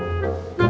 senyum apa sih kum